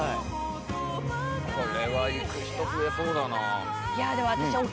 これは行く人増えそうだな。